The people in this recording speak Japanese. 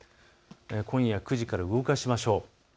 今夜９時から動かしましょう。